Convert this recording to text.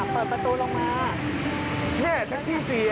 เปิดประตูลงมานี่แท็กซี่เสีย